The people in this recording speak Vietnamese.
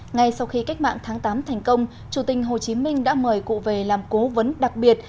ngay sau khi cách mạng tháng tám thành công chủ tịch hồ chí minh đã mời cụ về làm cố vấn đặc biệt